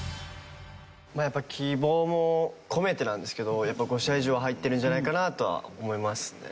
やっぱり希望も込めてなんですけど５社以上入ってるんじゃないかなとは思いますね。